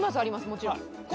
もちろん。